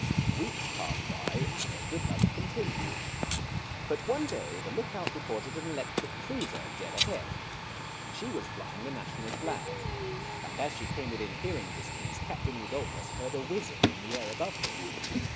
Weeks passed by and their good luck continued. But one day the lookout reported an electric cruiser dead ahead. She was flying the national flag, and as she came within hearing distance Captain Rudolphus heard a whizzing in the air above him.